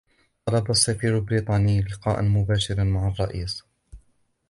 طلب السفير البريطاني لقاء مباشرا مع الرئيس.